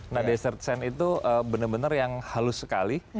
nah desert sen itu benar benar yang halus sekali